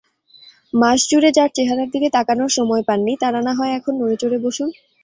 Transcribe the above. মাসজুড়ে যাঁরা চেহারার দিকে তাকানোর সময় পাননি, তাঁরা নাহয় এখন নড়েচড়ে বসুন।